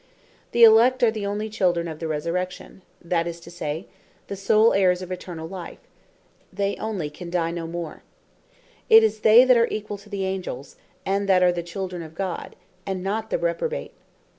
The Elect are the onely children of the Resurrection; that is to say the sole heirs of Eternall Life: they only can die no more; it is they that are equall to the Angels, and that are the children of God; and not the Reprobate.